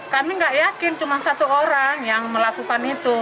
kami nggak yakin cuma satu orang yang melakukan itu